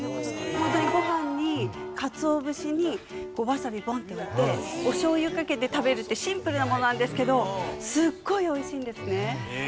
ホントにご飯に鰹節にわさびボンってのっておしょう油かけて食べるってシンプルなものなんですけどすっごい美味しいんですね。